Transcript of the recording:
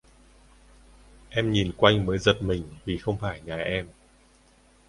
Em nhìn quanh mới giật mình vì không phải nhà em